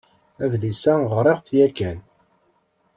Adlis-a ɣṛiɣ-t yakan.